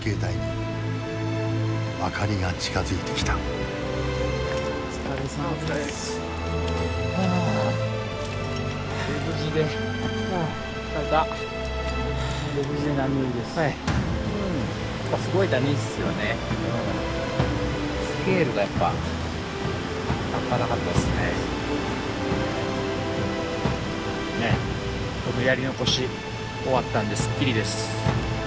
やり残し終わったのですっきりです。